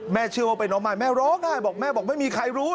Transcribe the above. แม่เชื่อว่าเป็นน้องมายแม่ร้องได้